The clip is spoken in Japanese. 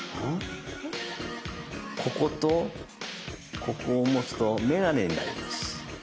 こことここを持つと眼鏡になります。